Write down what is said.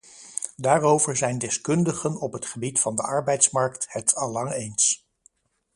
Daarover zijn deskundigen op het gebied van de arbeidsmarkt het allang eens.